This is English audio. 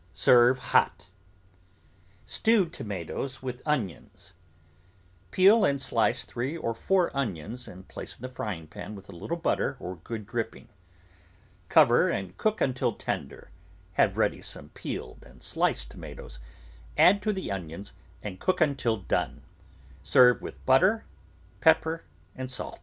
Serve hot. STEWED TOMATOES WITH ONIONS Peel and shce three or four onions and place in the frying pan with a little butter or good drip ping ; cover and cook until tender ; have ready some peeled and sliced tomatoes, add to the onions, and cook until done; season with butter, pepper, and salt.